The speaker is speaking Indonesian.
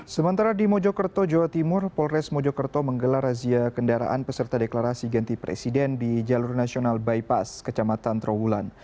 sementara di mojokerto jawa timur polres mojokerto menggelar razia kendaraan peserta deklarasi ganti presiden di jalur nasional bypass kecamatan trawulan